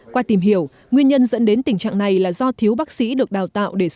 qua tìm hiểu nguyên nhân dẫn đến tình trạng này là do thiếu bác sĩ được đào tạo